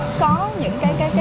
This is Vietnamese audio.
mình có những cái tuyến xe